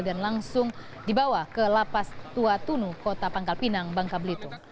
langsung dibawa ke lapas tua tunu kota pangkal pinang bangka belitung